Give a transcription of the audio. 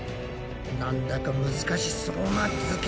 なんだか難しそうな図形！